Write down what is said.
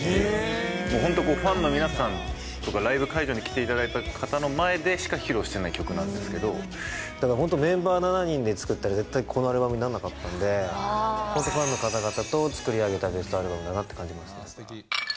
本当こう、ファンの皆さんとかライブ会場に来ていただいた方の前でしか披露だから本当、メンバー７人で作ったら、絶対このアルバムにならなかったと思うんで、本当ファンの方々と作り上げたベストアルバムだなって感じがします。